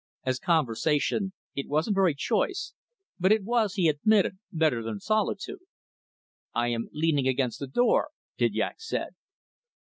As conversation, it wasn't very choice; but it was, he admitted, better than solitude. "I am leaning against the door," Didyak said.